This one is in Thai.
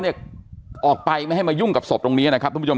เนี่ยออกไปไม่ให้มายุ่งกับศพตรงนี้นะครับทุกผู้ชม